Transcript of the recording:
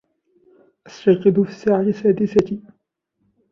أستيقظ في الساعة السادسة.